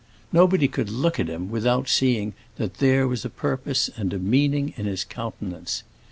Nobody could look at him without seeing that there was a purpose and a meaning in his countenance.